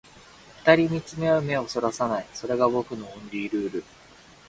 二人見つめ合う目を逸らさない、それが僕のオンリールール